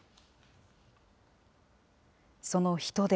その人出。